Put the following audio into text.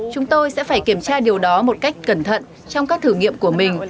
chúng tôi sẽ phải kiểm tra điều đó một cách cẩn thận trong các thử nghiệm của mình